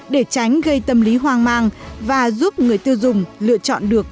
để tránh gây tâm lý hoang mang và giúp người tiêu dùng lựa chọn được